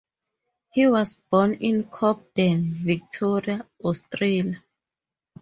He was born in Cobden, Victoria, Australia.